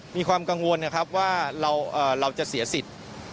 มีความกังวลว่าเราจะเสียสิทธิ์